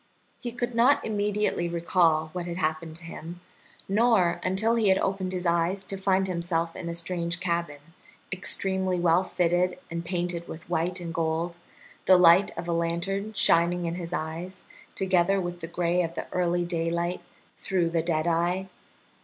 He could not immediately recall what had happened to him, nor until he had opened his eyes to find himself in a strange cabin, extremely well fitted and painted with white and gold, the light of a lantern shining in his eyes, together with the gray of the early daylight through the dead eye.